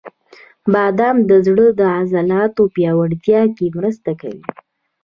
• بادام د زړه د عضلاتو پیاوړتیا کې مرسته کوي.